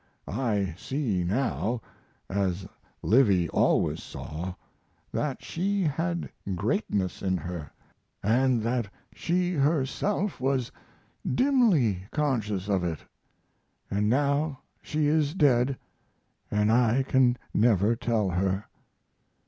I see now as Livy always saw that she had greatness in her, & that she herself was dimly conscious of it. And now she is dead & I can never tell her.